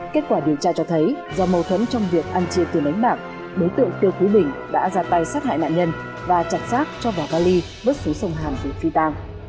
kết quả điều tra cho thấy do mâu thuẫn trong việc ăn chia từ đánh bạc đối tượng tư quý bình đã ra tay sát hại mạng nhân và chặt sát cho vào gali bớt số sông hàng của phi ta